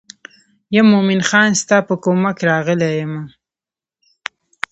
یم مومن خان ستا په کومک راغلی یم.